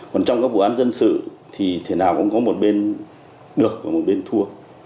còn trong các vụ án dân sự thì thế nào cũng có một bên được và một bên thua